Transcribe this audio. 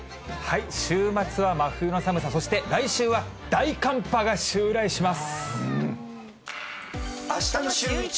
週末は真冬の寒さ、そして来週は大寒波が襲来します。